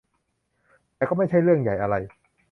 แต่ก็ไม่ใช่เรื่องใหญ่อะไร